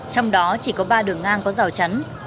trong đó chỉ có ba đường ngang có rào chắn